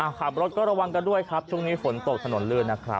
ขับรถก็ระวังกันด้วยครับช่วงนี้ฝนตกถนนลื่นนะครับ